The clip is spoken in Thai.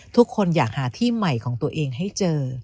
ทุกคนอยากหาที่ใหม่ของตัวเองให้เจอ